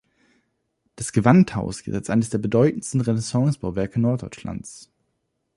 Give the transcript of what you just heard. Das Gewandhaus gilt als eines der bedeutendsten Renaissance-Bauwerke Norddeutschlands.